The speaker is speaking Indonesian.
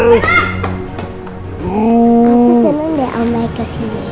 aku seneng deh om baik kesini